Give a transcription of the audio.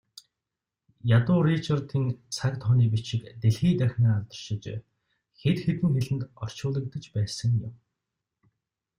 Ядуу Ричардын цаг тооны бичиг дэлхий дахинаа алдаршиж, хэд хэдэн хэлэнд орчуулагдаж байсан юм.